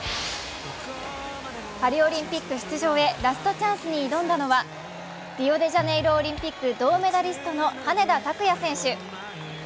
パリオリンピック出場へラストチャンスに挑んだのはリオデジャネイロオリンピック銅メダリストの羽根田卓也選手。